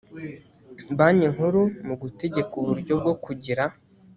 banki nkuru mu gutegeka uburyo bwo kugira